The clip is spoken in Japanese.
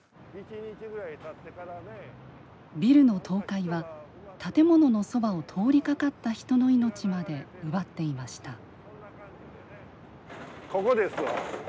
ビルの倒壊は、建物のそばを通りかかった人の命まで奪っていました。